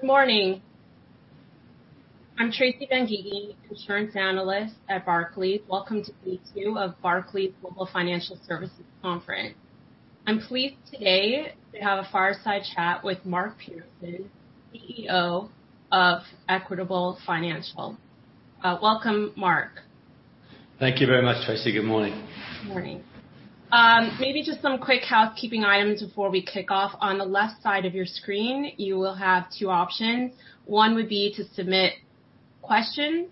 Good morning. I'm Tracy Benguigui, Insurance Analyst at Barclays. Welcome to day two of Barclays Global Financial Services Conference. I'm pleased today to have a fireside chat with Mark Pearson, CEO of Equitable Financial. Welcome, Mark. Thank you very much, Tracy. Good morning. Good morning. Maybe just some quick housekeeping items before we kick off. On the left side of your screen, you will have two options. One would be to submit questions,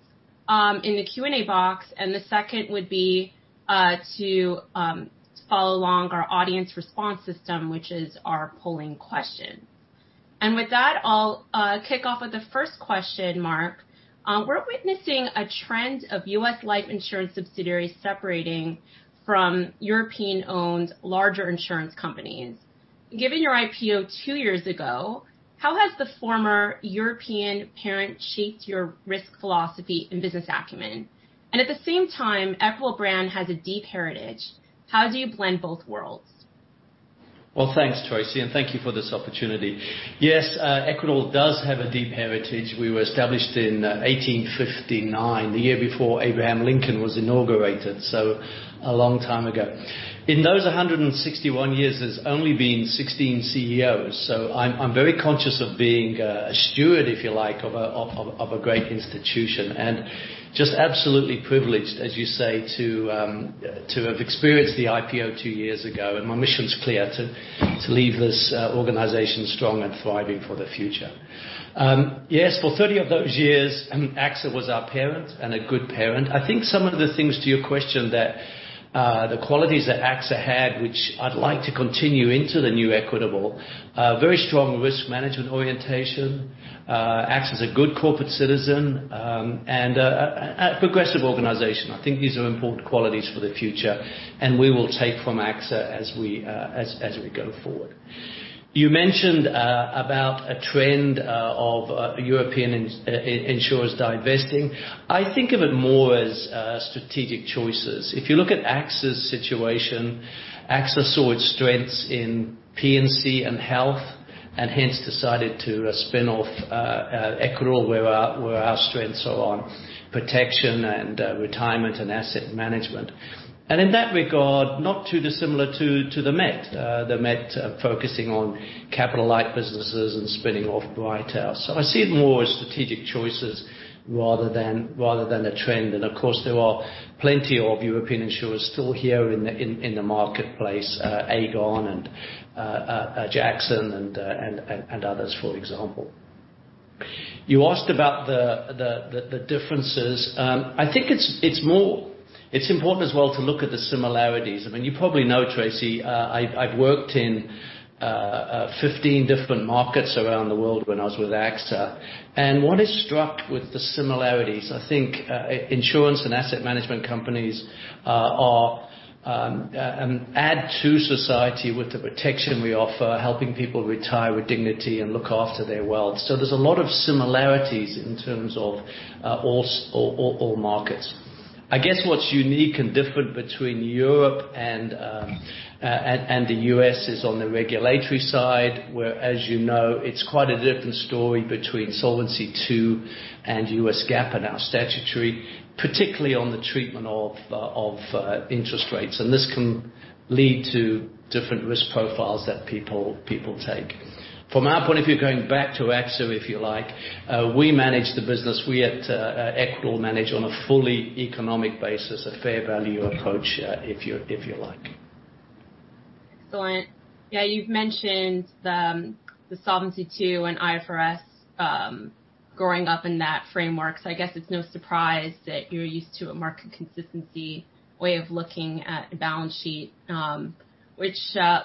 in the Q&A box, and the second would be to follow along our audience response system, which is our polling question. With that, I'll kick off with the first question, Mark. We're witnessing a trend of U.S. life insurance subsidiaries separating from European-owned larger insurance companies. Given your IPO two years ago, how has the former European parent shaped your risk philosophy and business acumen? At the same time, Equitable Brand has a deep heritage. How do you blend both worlds? Well, thanks, Tracy, and thank you for this opportunity. Yes, Equitable does have a deep heritage. We were established in 1859, the year before Abraham Lincoln was inaugurated, so a long time ago. In those 161 years, there's only been 16 CEOs. I'm very conscious of being a steward, if you like, of a great institution and just absolutely privileged, as you say, to have experienced the IPO two years ago. My mission is clear, to leave this organization strong and thriving for the future. Yes, for 30 of those years, AXA was our parent and a good parent. I think some of the things to your question that the qualities that AXA had, which I'd like to continue into the new Equitable, very strong risk management orientation, AXA is a good corporate citizen, and a progressive organization. I think these are important qualities for the future, we will take from AXA as we go forward. You mentioned about a trend of European insurers divesting. I think of it more as strategic choices. If you look at AXA's situation, AXA saw its strengths in P&C and health and hence decided to spin off Equitable, where our strengths are on protection and retirement and asset management. In that regard, not too dissimilar to Met. Met focusing on capital-light businesses and spinning off Brighthouse. I see it more as strategic choices rather than a trend. Of course, there are plenty of European insurers still here in the marketplace, Aegon and Jackson and others, for example. You asked about the differences. I think it's important as well to look at the similarities. I mean, you probably know, Tracy, I've worked in 15 different markets around the world when I was with AXA. One is struck with the similarities. I think insurance and asset management companies add to society with the protection we offer, helping people retire with dignity and look after their wealth. There's a lot of similarities in terms of all markets. I guess what's unique and different between Europe and the U.S. is on the regulatory side, where, as you know, it's quite a different story between Solvency II and US GAAP and our statutory, particularly on the treatment of interest rates. This can lead to different risk profiles that people take. From our point, if you're going back to AXA, if you like, we manage the business. We at Equitable manage on a fully economic basis, a fair value approach, if you like. Excellent. Yeah, you've mentioned the Solvency II and IFRS, growing up in that framework. I guess it's no surprise that you're used to a market consistency way of looking at a balance sheet, which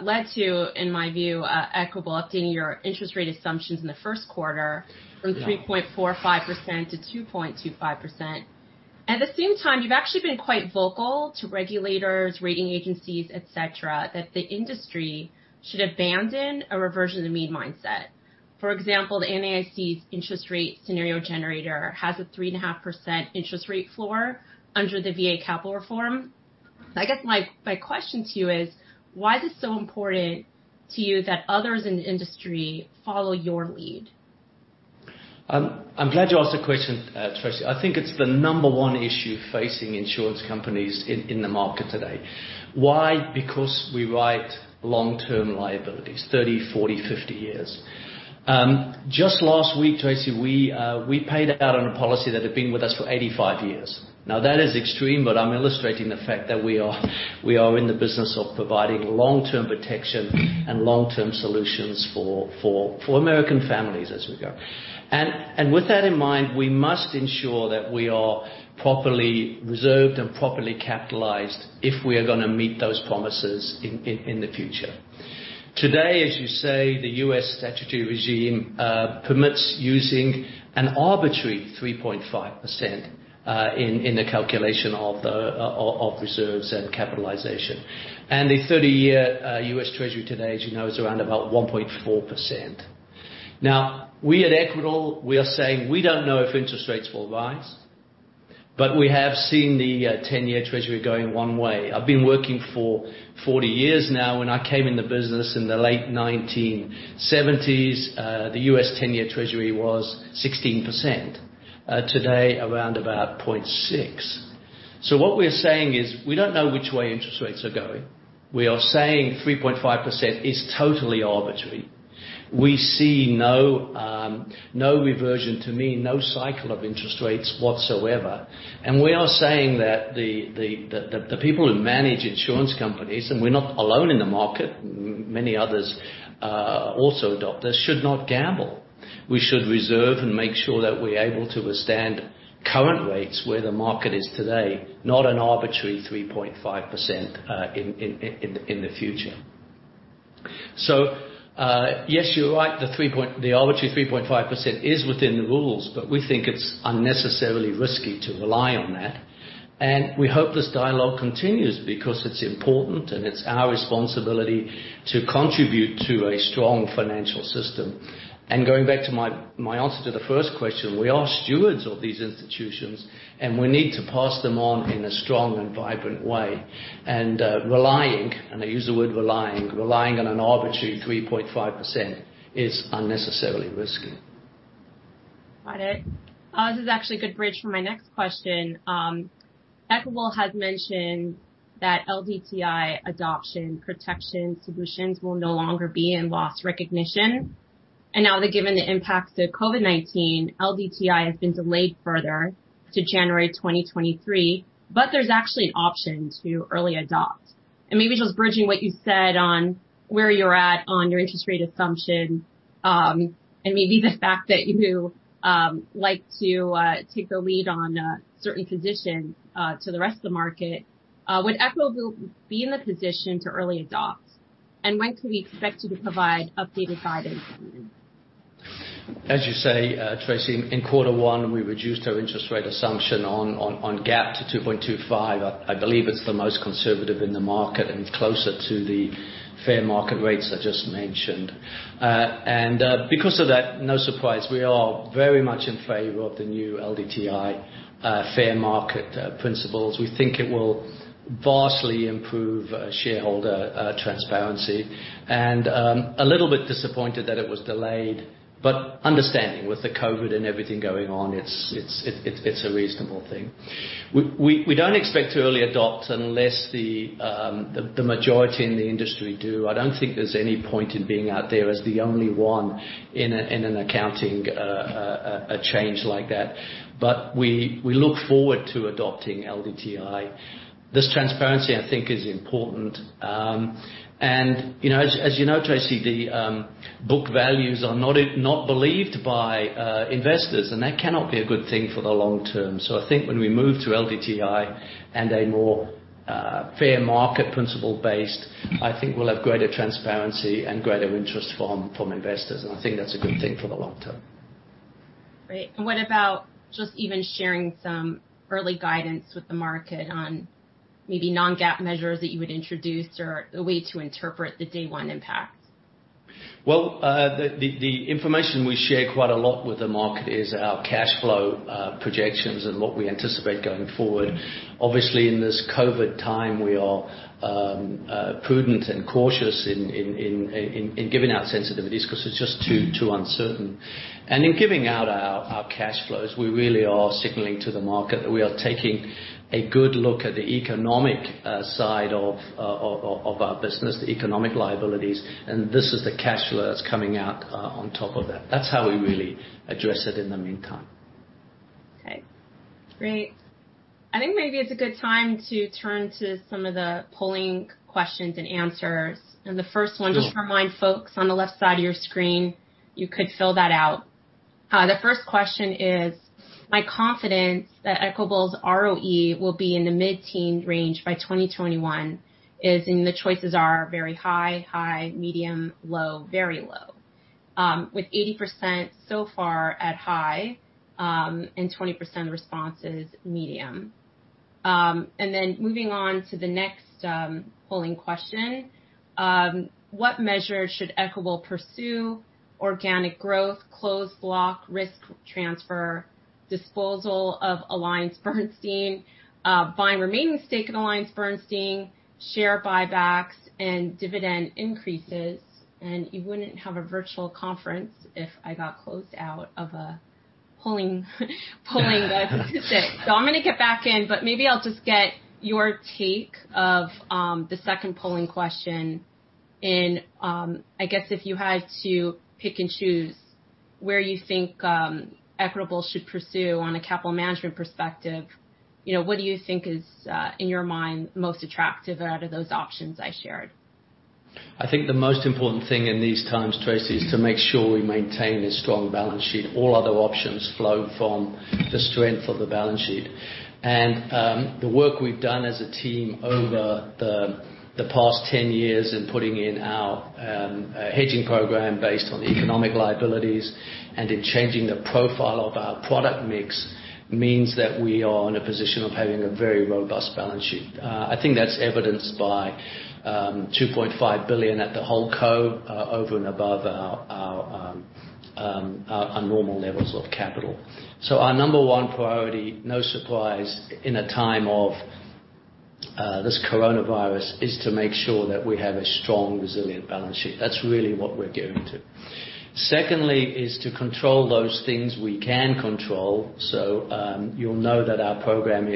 led to, in my view, Equitable updating your interest rate assumptions in the first quarter. Yeah from 3.45% to 2.25%. At the same time, you've actually been quite vocal to regulators, rating agencies, et cetera, that the industry should abandon a reversion to the mean mindset. For example, the NAIC's interest rate scenario generator has a 3.5% interest rate floor under the VA capital reform. I guess my question to you is why is it so important to you that others in the industry follow your lead? I'm glad you asked the question, Tracy. I think it's the number one issue facing insurance companies in the market today. Why? Because we write long-term liabilities, 30, 40, 50 years. Just last week, Tracy, we paid out on a policy that had been with us for 85 years. That is extreme, but I'm illustrating the fact that we are in the business of providing long-term protection and long-term solutions for American families as we go. With that in mind, we must ensure that we are properly reserved and properly capitalized if we are going to meet those promises in the future. Today, as you say, the U.S. statutory regime permits using an arbitrary 3.5% in the calculation of reserves and capitalization. A 30-year U.S. Treasury today, as you know, is around about 1.4%. We at Equitable, we are saying we don't know if interest rates will rise. But we have seen the 10-year Treasury going one way. I've been working for 40 years now. When I came in the business in the late 1970s, the U.S. 10-year Treasury was 16%. Today, around about 0.6. What we're saying is, we don't know which way interest rates are going. We are saying 3.5% is totally arbitrary. We see no reversion to mean, no cycle of interest rates whatsoever. We are saying that the people who manage insurance companies, and we're not alone in the market, many others also adopt this, should not gamble. We should reserve and make sure that we're able to withstand current rates where the market is today, not an arbitrary 3.5% in the future. Yes, you're right, the arbitrary 3.5% is within the rules, but we think it's unnecessarily risky to rely on that. We hope this dialogue continues because it's important, and it's our responsibility to contribute to a strong financial system. Going back to my answer to the first question, we are stewards of these institutions, and we need to pass them on in a strong and vibrant way. Relying, and I use the word relying on an arbitrary 3.5% is unnecessarily risky. Got it. This is actually a good bridge for my next question. Equitable has mentioned that LDTI adoption Protection Solutions will no longer be in loss recognition. Now that given the impact of COVID-19, LDTI has been delayed further to January 2023, but there's actually an option to early adopt. Maybe just bridging what you said on where you're at on your interest rate assumption, and maybe the fact that you like to take the lead on certain positions to the rest of the market, would Equitable be in the position to early adopt? When can we expect you to provide updated guidance on this? As you say, Tracy, in Q1, we reduced our interest rate assumption on GAAP to 2.25. I believe it's the most conservative in the market and closer to the fair market rates I just mentioned. Because of that, no surprise, we are very much in favor of the new LDTI fair market principles. We think it will vastly improve shareholder transparency. A little bit disappointed that it was delayed, but understanding with the COVID and everything going on, it's a reasonable thing. We don't expect to early adopt unless the majority in the industry do. I don't think there's any point in being out there as the only one in an accounting change like that. We look forward to adopting LDTI. This transparency, I think, is important. As you know, Tracy, the book values are not believed by investors, and that cannot be a good thing for the long term. I think when we move to LDTI and a more fair market principle based, I think we'll have greater transparency and greater interest from investors, and I think that's a good thing for the long term. Great. What about just even sharing some early guidance with the market on maybe non-GAAP measures that you would introduce or a way to interpret the day one impact? Well, the information we share quite a lot with the market is our cash flow projections and what we anticipate going forward. Obviously, in this COVID time, we are prudent and cautious in giving out sensitivities because it's just too uncertain. In giving out our cash flows, we really are signaling to the market that we are taking a good look at the economic side of our business, the economic liabilities, and this is the cash flow that's coming out on top of that. That's how we really address it in the meantime. Okay. Great. I think maybe it's a good time to turn to some of the polling questions and answers. The first one. Sure Just remind folks on the left side of your screen, you could fill that out. The first question is, my confidence that Equitable's ROE will be in the mid-teen range by 2021 is, and the choices are very high, high, medium, low, very low. With 80% so far at high, and 20% responses medium. Then moving on to the next polling question, what measures should Equitable pursue? Organic growth, closed block, risk transfer, disposal of AllianceBernstein, buying remaining stake in AllianceBernstein, share buybacks, and dividend increases. You wouldn't have a virtual conference if I got closed out of a polling the participants. I'm going to get back in, but maybe I'll just get your take of the second polling question in, I guess, if you had to pick and choose where you think Equitable should pursue on a capital management perspective, what do you think is, in your mind, most attractive out of those options I shared? I think the most important thing in these times, Tracy, is to make sure we maintain a strong balance sheet. All other options flow from the strength of the balance sheet. The work we've done as a team over the past 10 years in putting in our hedging program based on economic liabilities and in changing the profile of our product mix means that we are in a position of having a very robust balance sheet. I think that's evidenced by $2.5 billion at the holdco over and above our normal levels of capital. Our number 1 priority, no surprise, in a time of this coronavirus is to make sure that we have a strong, resilient balance sheet. That's really what we're gearing to. Secondly, is to control those things we can control. You'll know that our program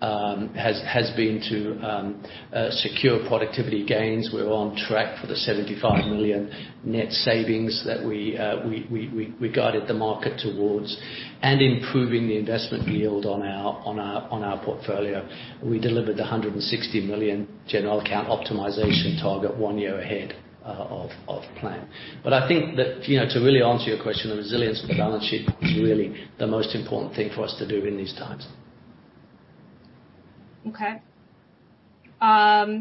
has been to secure productivity gains. We're on track for the $75 million net savings that we guided the market towards, and improving the investment yield on our portfolio. We delivered the $160 million general account optimization target one year ahead of plan. I think that to really answer your question, the resilience of the balance sheet is really the most important thing for us to do in these times. Okay. I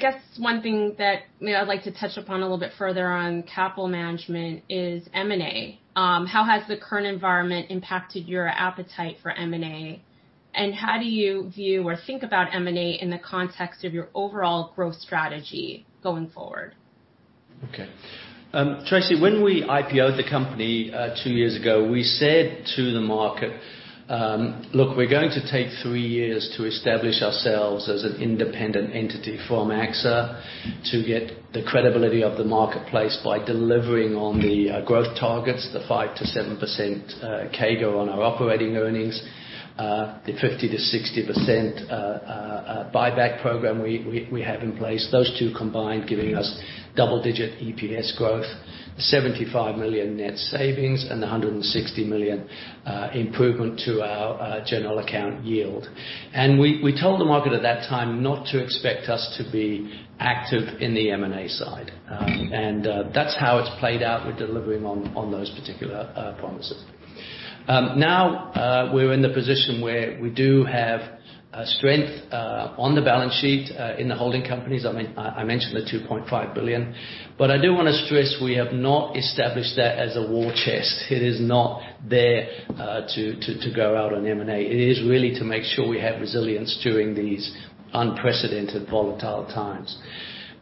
guess one thing that maybe I'd like to touch upon a little bit further on capital management is M&A. How has the current environment impacted your appetite for M&A, and how do you view or think about M&A in the context of your overall growth strategy going forward? Okay. Tracy, when we IPO'd the company two years ago, we said to the market, "Look, we're going to take three years to establish ourselves as an independent entity from AXA to get the credibility of the marketplace by delivering on the growth targets, the 5%-7% CAGR on our operating earnings, the 50%-60% buyback program we have in place, those two combined giving us double digit EPS growth, the $75 million net savings, and the $160 million improvement to our general account yield. We told the market at that time not to expect us to be active in the M&A side. That's how it's played out. We're delivering on those particular promises. Now, we're in the position where we do have strength on the balance sheet in the holding companies. I mentioned the $2.5 billion, but I do want to stress we have not established that as a war chest. It is not there to go out on M&A. It is really to make sure we have resilience during these unprecedented volatile times.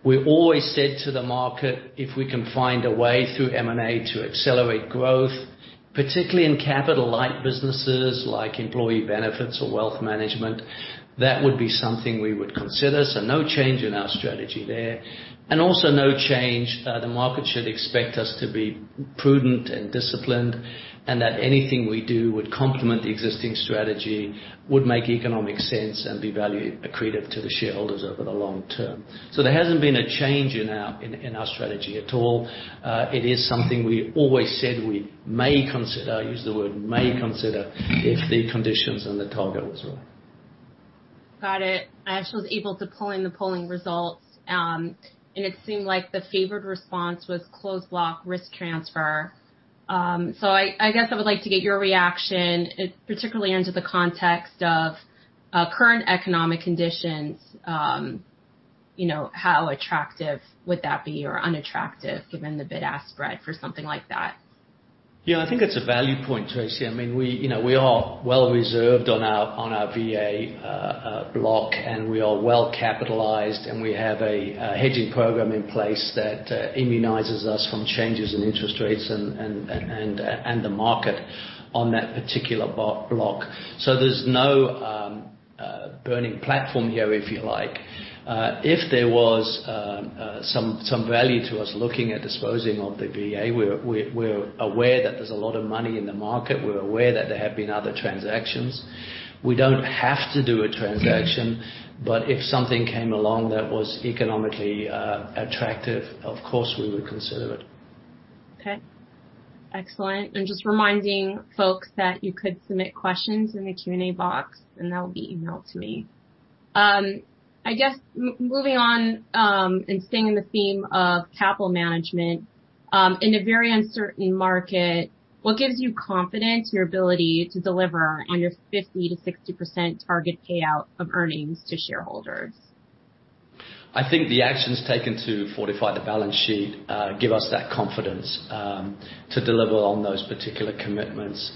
We always said to the market, if we can find a way through M&A to accelerate growth, particularly in capital-light businesses like employee benefits or wealth management, that would be something we would consider. No change in our strategy there. Also no change, the market should expect us to be prudent and disciplined, and that anything we do would complement the existing strategy, would make economic sense, and be value accretive to the shareholders over the long term. There hasn't been a change in our strategy at all. It is something we always said we may consider, I use the word may consider, if the conditions and the target was right. Got it. I actually was able to pull in the polling results. It seemed like the favored response was closed block risk transfer. I guess I would like to get your reaction, particularly under the context of current economic conditions. How attractive would that be or unattractive given the bid-ask spread for something like that? Yeah, I think it's a value point, Tracy. We are well reserved on our VA block, and we are well capitalized, and we have a hedging program in place that immunizes us from changes in interest rates and the market on that particular block. There's no burning platform here, if you like. If there was some value to us looking at disposing of the VA, we're aware that there's a lot of money in the market. We're aware that there have been other transactions. We don't have to do a transaction, but if something came along that was economically attractive, of course, we would consider it. Okay. Excellent. Just reminding folks that you could submit questions in the Q&A box, and that will be emailed to me. I guess, moving on and staying in the theme of capital management, in a very uncertain market, what gives you confidence in your ability to deliver on your 50%-60% target payout of earnings to shareholders? I think the actions taken to fortify the balance sheet give us that confidence to deliver on those particular commitments.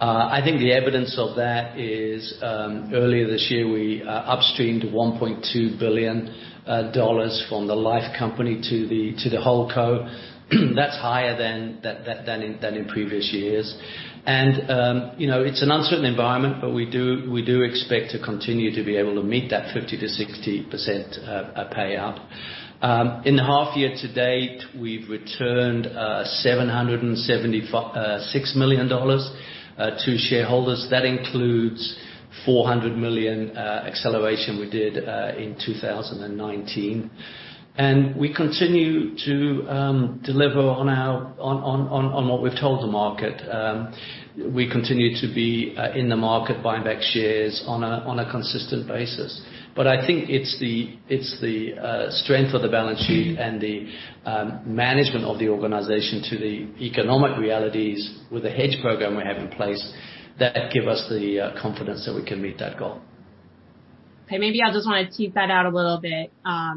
I think the evidence of that is, earlier this year, we upstreamed $1.2 billion from the life co to the holdco. That's higher than in previous years. It's an uncertain environment, but we do expect to continue to be able to meet that 50%-60% payout. In the half year to date, we've returned $776 million to shareholders. That includes $400 million acceleration we did in 2019. We continue to deliver on what we've told the market. We continue to be in the market buying back shares on a consistent basis. I think it's the strength of the balance sheet and the management of the organization to the economic realities with the hedge program we have in place that give us the confidence that we can meet that goal. Okay. Maybe I just want to tease that out a little bit.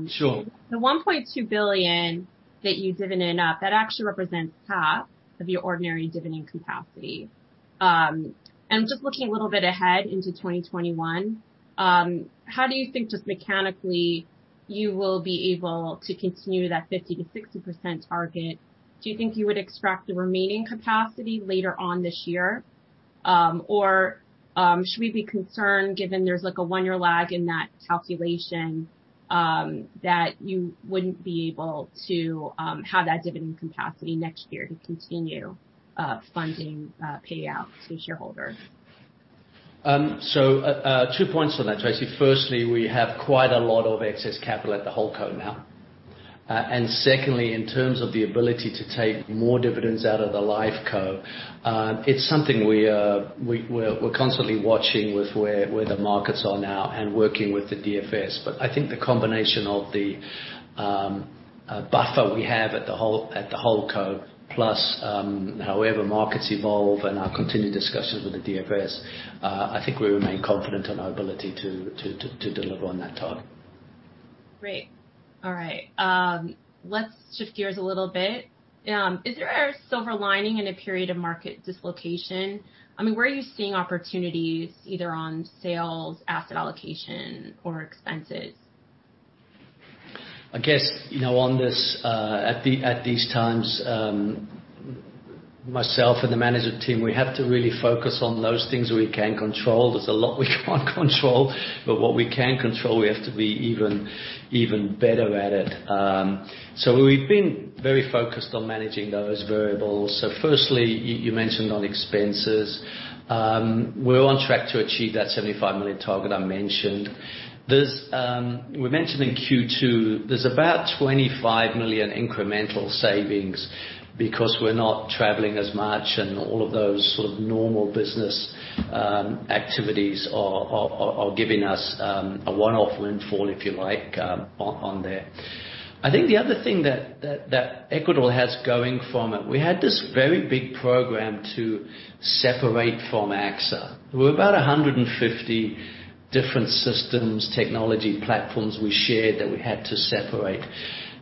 Sure. The $1.2 billion that you divvied up, that actually represents half of your ordinary dividend capacity. Just looking a little bit ahead into 2021, how do you think, just mechanically, you will be able to continue that 50%-60% target. Do you think you would extract the remaining capacity later on this year? Should we be concerned, given there's a one-year lag in that calculation, that you wouldn't be able to have that dividend capacity next year to continue funding payouts to shareholders? Tracy, two points on that. Firstly, we have quite a lot of excess capital at the holdco now. Secondly, in terms of the ability to take more dividends out of the life co, it's something we're constantly watching with where the markets are now and working with the DFS. I think the combination of the buffer we have at the holdco, plus however markets evolve and our continued discussions with the DFS, I think we remain confident in our ability to deliver on that target. Great. All right. Let's shift gears a little bit. Is there a silver lining in a period of market dislocation? Where are you seeing opportunities, either on sales, asset allocation, or expenses? I guess, at these times, myself and the management team, we have to really focus on those things we can control. There's a lot we can't control, but what we can control, we have to be even better at it. We've been very focused on managing those variables. Firstly, you mentioned on expenses. We're on track to achieve that $75 million target I mentioned. We mentioned in Q2, there's about $25 million incremental savings because we're not traveling as much, and all of those sort of normal business activities are giving us a one-off windfall, if you like, on there. I think the other thing that Equitable has going for it, we had this very big program to separate from AXA. There were about 150 different systems, technology platforms we shared that we had to separate.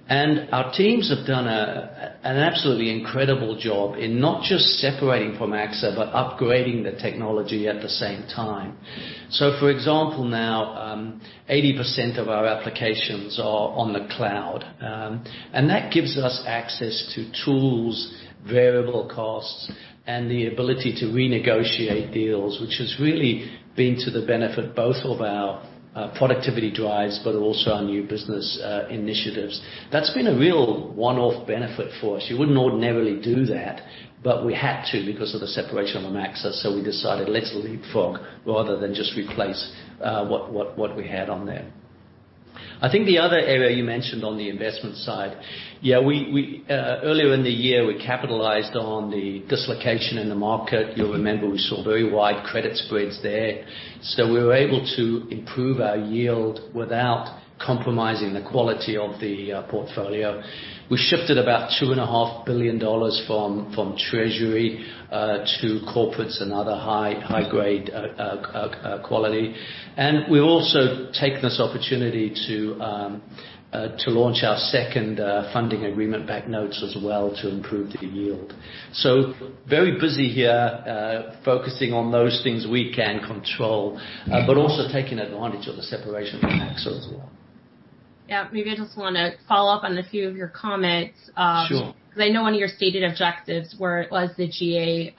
Our teams have done an absolutely incredible job in not just separating from AXA, but upgrading the technology at the same time. For example, now 80% of our applications are on the cloud. That gives us access to tools, variable costs, and the ability to renegotiate deals, which has really been to the benefit both of our productivity drives, but also our new business initiatives. That's been a real one-off benefit for us. You wouldn't ordinarily do that, we had to because of the separation from AXA, we decided let's leapfrog rather than just replace what we had on there. I think the other area you mentioned on the investment side, earlier in the year, we capitalized on the dislocation in the market. You'll remember we saw very wide credit spreads there. We were able to improve our yield without compromising the quality of the portfolio. We shifted about $2.5 billion from treasury to corporates and other high-grade quality. We've also taken this opportunity to launch our second funding agreement backed notes as well to improve the yield. Very busy here, focusing on those things we can control, but also taking advantage of the separation from AXA as well. Yeah. Maybe I just want to follow up on a few of your comments. Sure. I know one of your stated objectives was the GA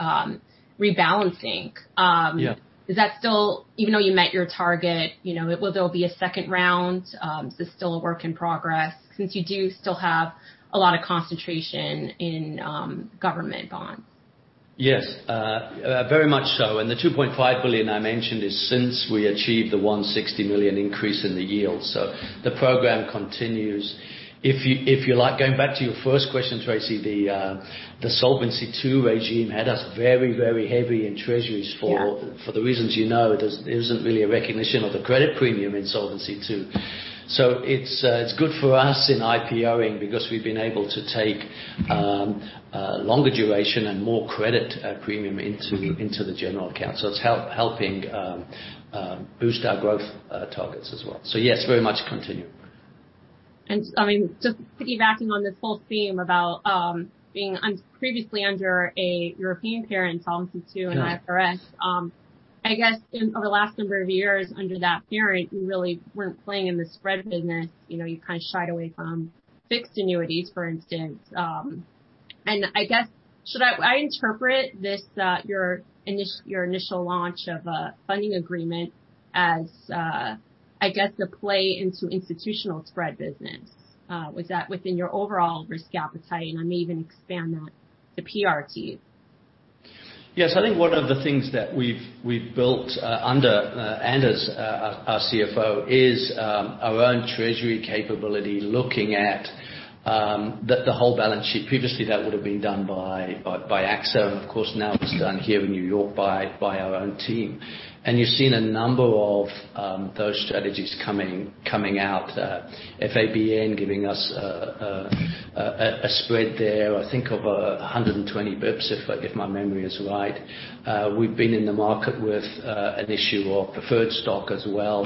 rebalancing. Yeah. Even though you met your target, will there be a second round? Is this still a work in progress since you do still have a lot of concentration in government bonds? Yes. Very much so. The $2.5 billion I mentioned is since we achieved the $160 million increase in the yield. The program continues. If you like, going back to your first question, Tracy, the Solvency II regime had us very, very heavy in treasuries for the reasons you know. There isn't really a recognition of the credit premium in Solvency II. It's good for us in IPO-ing because we've been able to take longer duration and more credit premium into the general account. It's helping boost our growth targets as well. Yes. Very much continuing. Just piggybacking on this whole theme about being previously under a European parent, Solvency II and IFRS. Yeah. I guess in the last number of years under that parent, you really weren't playing in the spread business. You kind of shied away from fixed annuities, for instance. Should I interpret your initial launch of a funding agreement as, I guess, a play into institutional spread business? Was that within your overall risk appetite? I may even expand that to PRTs. Yes. I think one of the things that we've built under Anders, our CFO, is our own treasury capability, looking at the whole balance sheet. Previously, that would've been done by AXA, of course, now it's done here in New York by our own team. You've seen a number of those strategies coming out. FABN giving us a spread there, I think of 120 bps, if my memory is right. We've been in the market with an issue of preferred stock as well.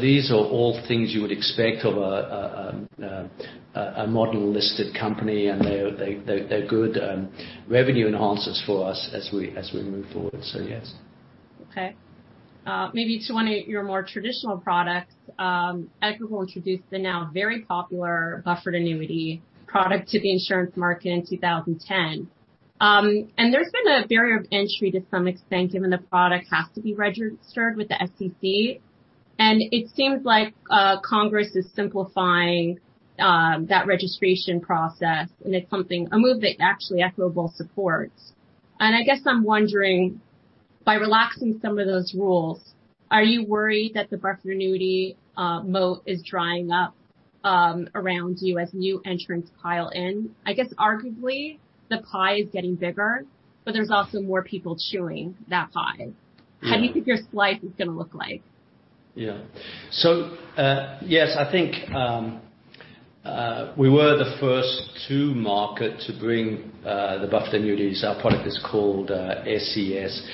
These are all things you would expect of a modern listed company, they're good revenue enhancers for us as we move forward. Yes. Okay. Maybe to one of your more traditional products. Equitable introduced the now very popular buffered annuity product to the insurance market in 2010. There's been a barrier of entry to some extent, given the product has to be registered with the SEC, and it seems like Congress is simplifying that registration process. It's a move that actually Equitable supports. I guess I'm wondering, by relaxing some of those rules, are you worried that the buffered annuity moat is drying up around you as new entrants pile in? I guess arguably the pie is getting bigger, but there's also more people chewing that pie. Yeah. How do you think your slice is going to look like? Yes, I think we were the first to market to bring the buffered annuities. Our product is called SCS.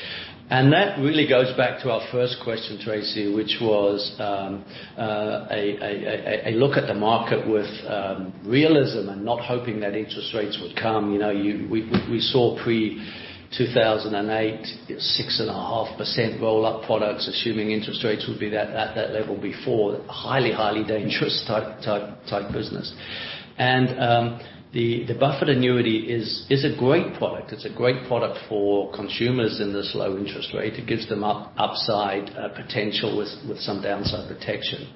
That really goes back to our first question, Tracy, which was a look at the market with realism and not hoping that interest rates would come. We saw pre-2008, 6.5% roll-up products, assuming interest rates would be at that level before. Highly dangerous type business. The buffered annuity is a great product. It's a great product for consumers in this low interest rate. It gives them upside potential with some downside protection.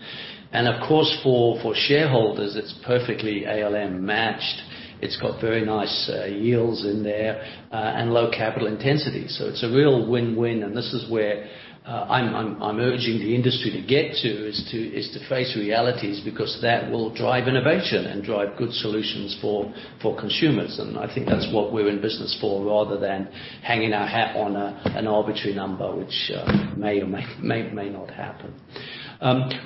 Of course, for shareholders, it's perfectly ALM matched. It's got very nice yields in there, and low capital intensity. It's a real win-win, and this is where I'm urging the industry to get to, is to face realities, because that will drive innovation and drive good solutions for consumers. I think that's what we're in business for, rather than hanging our hat on an arbitrary number, which may or may not happen.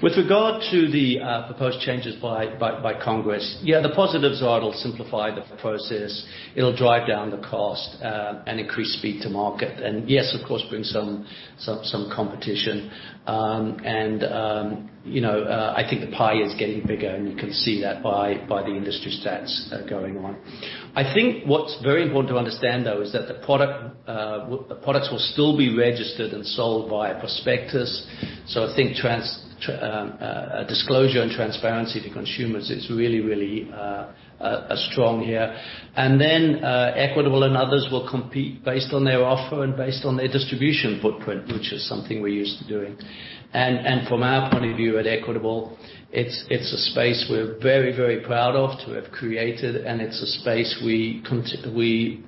With regard to the proposed changes by Congress, the positives are it'll simplify the process, it'll drive down the cost, and increase speed to market. Yes, of course, bring some competition. I think the pie is getting bigger, and you can see that by the industry stats that are going on. I think what's very important to understand, though, is that the products will still be registered and sold via prospectus. I think disclosure and transparency to consumers is really strong here. Equitable and others will compete based on their offer and based on their distribution footprint, which is something we're used to doing. From our point of view at Equitable, it's a space we're very proud of to have created, and it's a space we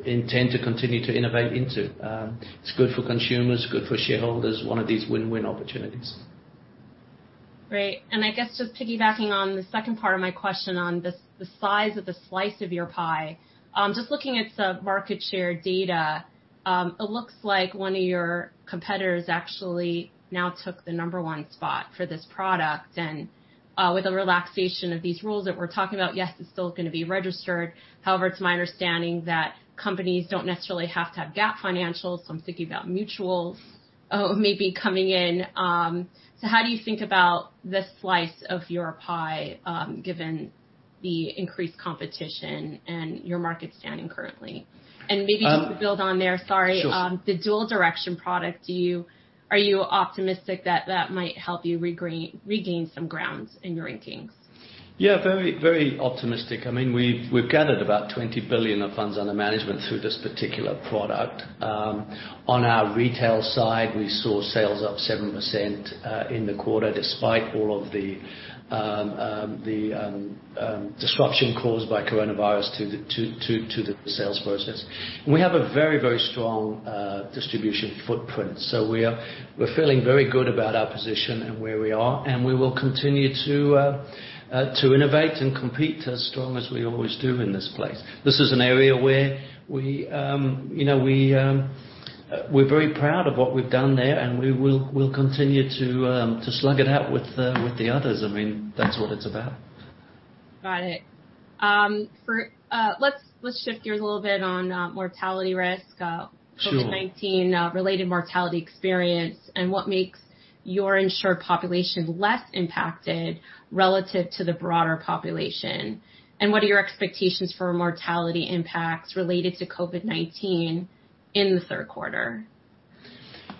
intend to continue to innovate into. It's good for consumers, good for shareholders, one of these win-win opportunities. Great. I guess just piggybacking on the second part of my question on the size of the slice of your pie. Just looking at some market share data, it looks like one of your competitors actually now took the number 1 spot for this product. With the relaxation of these rules that we're talking about, yes, it's still going to be registered. However, it's my understanding that companies don't necessarily have to have GAAP financials, so I'm thinking about mutuals maybe coming in. How do you think about the slice of your pie, given the increased competition and your market standing currently? Maybe just to build on there, sorry. Sure. The Dual Direction product, are you optimistic that that might help you regain some grounds in your rankings? Yeah, very optimistic. We've gathered about $20 billion of funds under management through this particular product. On our retail side, we saw sales up 7% in the quarter, despite all of the disruption caused by coronavirus to the sales process. We have a very strong distribution footprint. We're feeling very good about our position and where we are, and we will continue to innovate and compete as strong as we always do in this place. This is an area where we're very proud of what we've done there, and we'll continue to slug it out with the others. That's what it's about. Got it. Let's shift gears a little bit on mortality risk. Sure. COVID-19 related mortality experience, what makes your insured population less impacted relative to the broader population? What are your expectations for mortality impacts related to COVID-19 in the third quarter?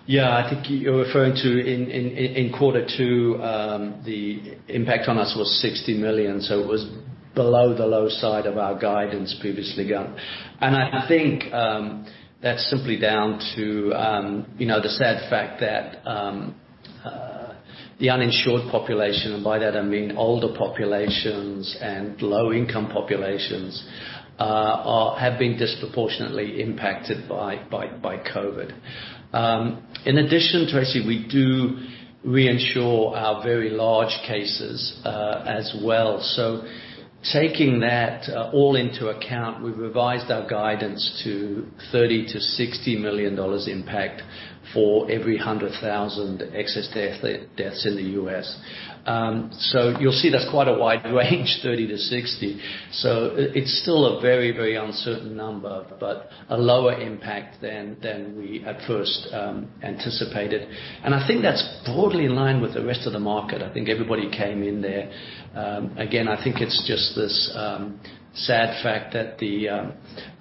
Yeah. I think you're referring to in quarter two, the impact on us was $60 million, it was below the low side of our guidance previously given. I think that's simply down to the sad fact that the uninsured population, and by that I mean older populations and low income populations, have been disproportionately impacted by COVID. In addition, Tracy, we do reinsure our very large cases, as well. Taking that all into account, we've revised our guidance to $30 to $60 million impact for every 100,000 excess deaths in the U.S. You'll see that's quite a wide range, $30-$60. It's still a very uncertain number, but a lower impact than we at first anticipated. I think that's broadly in line with the rest of the market. I think everybody came in there. Again, I think it's just this sad fact that the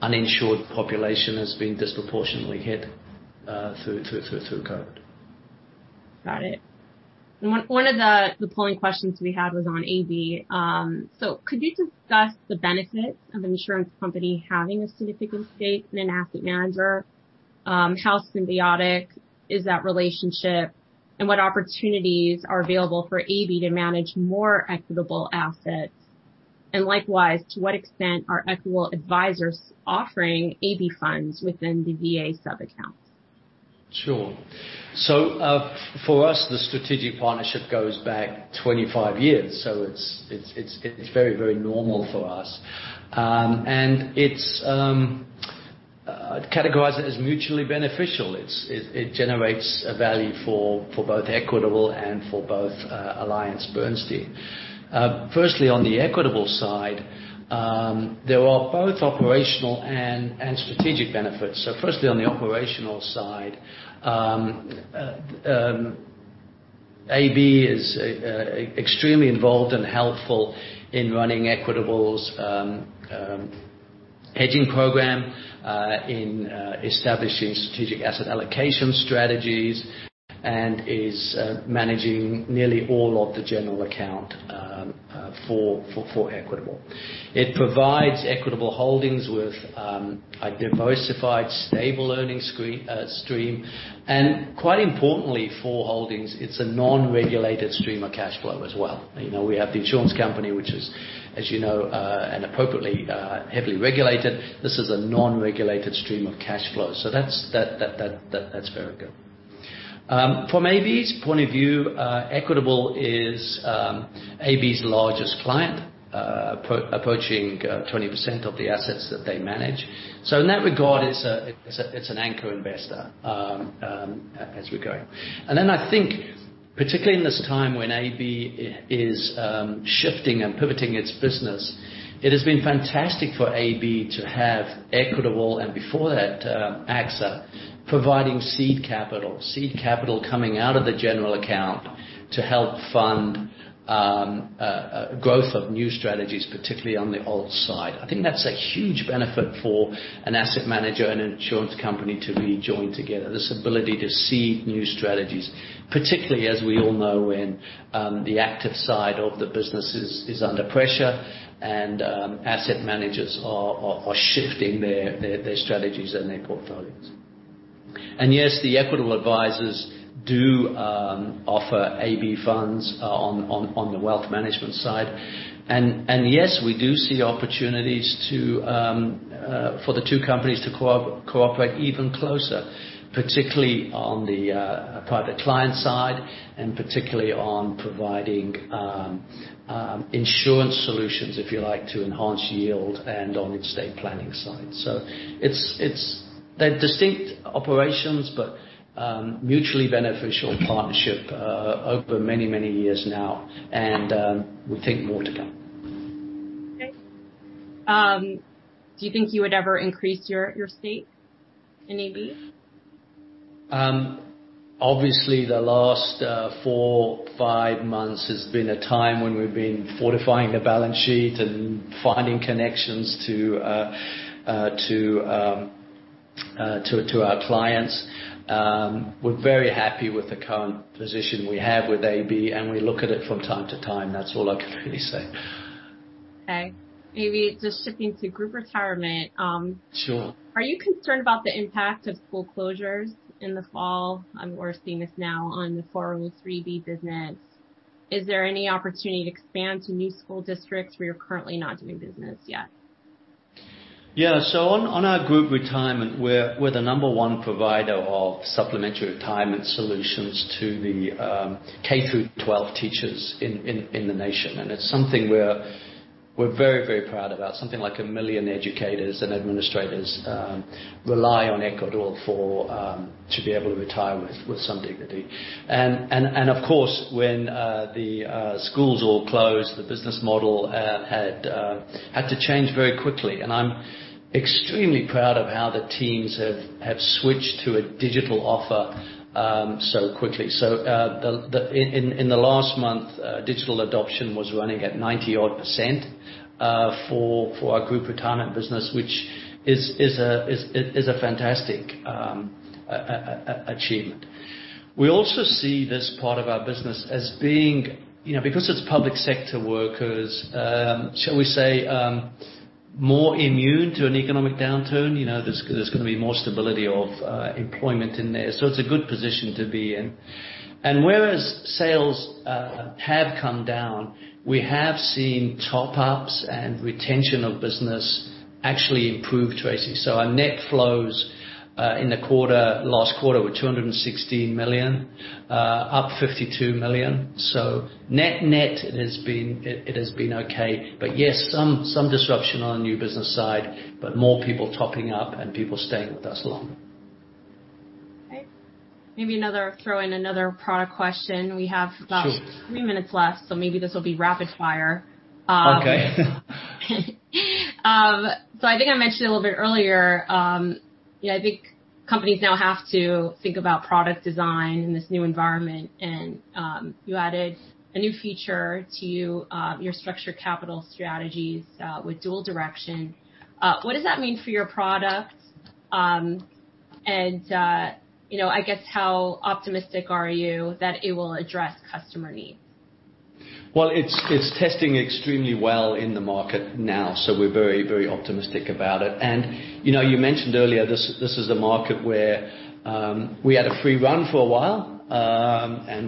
uninsured population has been disproportionately hit through COVID. One of the polling questions we had was on AB. Could you discuss the benefits of an insurance company having a significant stake in an asset manager? How symbiotic is that relationship, and what opportunities are available for AB to manage more Equitable assets? Likewise, to what extent are Equitable Advisors offering AB funds within the VA sub-accounts? Sure. For us, the strategic partnership goes back 25 years, so it's very normal for us. I'd categorize it as mutually beneficial. It generates a value for both Equitable and for both AllianceBernstein. Firstly, on the Equitable side, there are both operational and strategic benefits. Firstly, on the operational side, AB is extremely involved and helpful in running Equitable's hedging program, in establishing strategic asset allocation strategies, and is managing nearly all of the general account for Equitable. It provides Equitable Holdings with a diversified, stable earnings stream, and quite importantly for Holdings, it's a non-regulated stream of cash flow as well. We have the insurance company, which is, as you know, and appropriately, heavily regulated. This is a non-regulated stream of cash flow. That's very good. From AB's point of view, Equitable is AB's largest client, approaching 20% of the assets that they manage. In that regard, it's an anchor investor as we go. I think, particularly in this time when AB is shifting and pivoting its business, it has been fantastic for AB to have Equitable, and before that, AXA, providing seed capital. Seed capital coming out of the general account to help fund growth of new strategies, particularly on the alt side. I think that's a huge benefit for an asset manager and an insurance company to be joined together. This ability to seed new strategies, particularly as we all know, when the active side of the business is under pressure and asset managers are shifting their strategies and their portfolios. Yes, the Equitable Advisors do offer AB funds on the wealth management side. Yes, we do see opportunities for the two companies to cooperate even closer, particularly on the private client side, and particularly on providing insurance solutions, if you like, to enhance yield and on the estate planning side. They're distinct operations, but mutually beneficial partnership over many years now. We think more to come. Okay. Do you think you would ever increase your stake in AB? The last four, five months has been a time when we've been fortifying the balance sheet and finding connections to our clients. We're very happy with the current position we have with AB, and we look at it from time to time. That's all I can really say. Okay. Maybe just shifting to group retirement. Sure. Are you concerned about the impact of school closures in the fall? We're seeing this now on the 403 business. Is there any opportunity to expand to new school districts where you're currently not doing business yet? On our group retirement, we're the number one provider of supplementary retirement solutions to the K-12 teachers in the nation, and it's something we're very proud about. Something like 1 million educators and administrators rely on Equitable to be able to retire with some dignity. Of course, when the schools all closed, the business model had to change very quickly. I'm extremely proud of how the teams have switched to a digital offer so quickly. In the last month, digital adoption was running at 90%-odd for our group retirement business, which is a fantastic achievement. We also see this part of our business as being, because it's public sector workers, shall we say, more immune to an economic downturn. There's going to be more stability of employment in there. It's a good position to be in. Whereas sales have come down, we have seen top-ups and retention of business actually improve, Tracy. Our net flows in the last quarter were $216 million, up $52 million. Net, it has been okay, yes, some disruption on the new business side, more people topping up and people staying with us longer. Maybe throw in another product question. We have about. Sure Three minutes left, maybe this will be rapid fire. Okay. I think I mentioned a little bit earlier, I think companies now have to think about product design in this new environment, you added a new feature to your Structured Capital Strategies, with Dual Direction. What does that mean for your product? I guess how optimistic are you that it will address customer needs? It's testing extremely well in the market now, we're very optimistic about it. You mentioned earlier, this is a market where we had a free run for a while,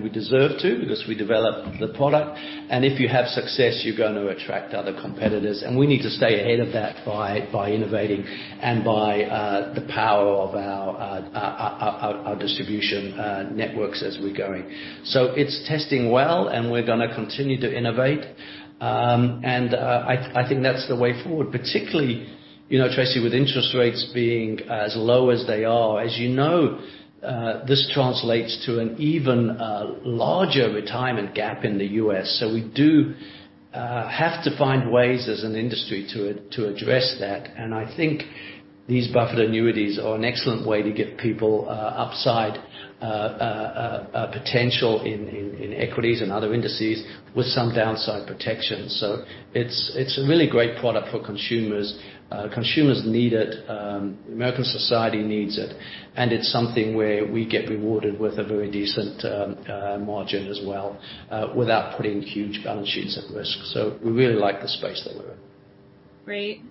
we deserved to because we developed the product. If you have success, you're going to attract other competitors, we need to stay ahead of that by innovating and by the power of our distribution networks as we're going. It's testing well, we're going to continue to innovate. I think that's the way forward, particularly, Tracy, with interest rates being as low as they are. You know, this translates to an even larger retirement gap in the U.S. We do have to find ways as an industry to address that, I think these buffered annuities are an excellent way to give people upside potential in equities and other indices with some downside protection. It's a really great product for consumers. Consumers need it. American society needs it. It's something where we get rewarded with a very decent margin as well, without putting huge balance sheets at risk. We really like the space that we're in. Great.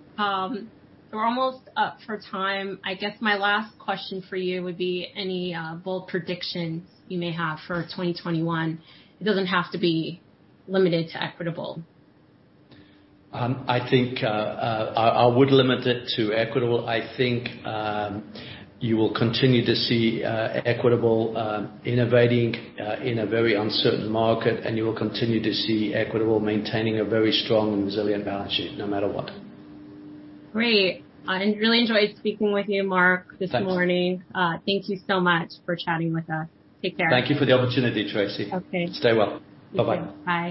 We're almost up for time. I guess my last question for you would be any bold predictions you may have for 2021. It doesn't have to be limited to Equitable. I think I would limit it to Equitable. I think you will continue to see Equitable innovating in a very uncertain market, and you will continue to see Equitable maintaining a very strong and resilient balance sheet no matter what. Great. I really enjoyed speaking with you, Mark, this morning. Thanks. Thank you so much for chatting with us. Take care. Thank you for the opportunity, Tracy. Okay. Stay well. Bye-bye. Bye